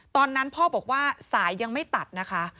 ตอนนั้นพ่อบอกว่าสายยังไม่ตัดนะคะ